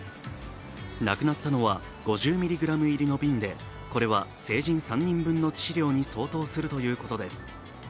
なくなったのは５０ミリグラム入りの瓶で、これは成人３人分の致死量に相当するということです。